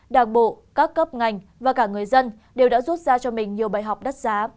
đảng bộ các cấp ngành và cả người dân đều đã rút ra cho mình nhiều bài học đắt giá